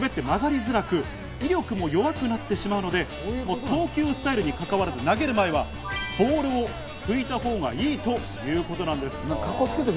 ボールにオイルがついたままですと滑って曲がりづらく、威力も弱くなってしまうので、投球スタイルにかかわらず、投げる前はボールを拭いたほうがいいということなんです。